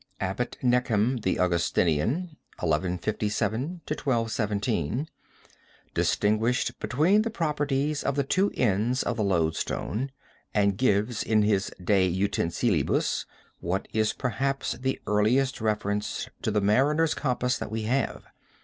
"Abbot Neckam, the Augustinian (1157 1217), distinguished between the properties of the two ends of the lodestone, and gives in his De Utensilibus, what is perhaps the earliest reference to the mariner's compass that we have.